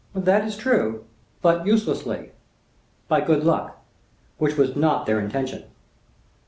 "That is true;—but uselessly, by good luck,—which was not their intention."